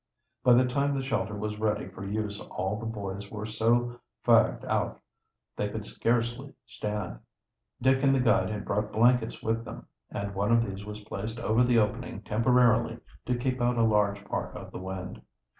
By the time the shelter was ready for use all the boys were so fagged out they could scarcely stand. Dick and the guide had brought blankets with them, and one of these was placed over the opening temporarily, to keep out a large part of the wind.